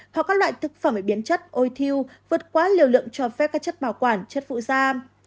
hoặc các loại thực phẩm biến chất ôi thiêu vượt quá liều lượng cho phép các chất bảo quản chất phụ da